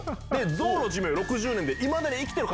ゾウの寿命は６０年。